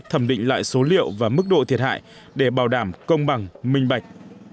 thẩm định lại số liệu và mức độ thiệt hại để bảo đảm công bằng minh bạch